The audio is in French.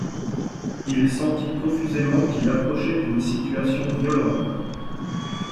Il sentit confusément qu’il approchait d’une situation violente.